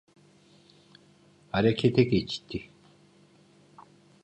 Harekete geçti.